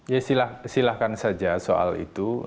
ya silahkan saja soal itu